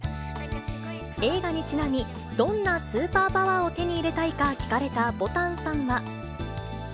映画にちなみ、どんなスーパーパワーを手に入れたいか聞かれたぼたんさんは。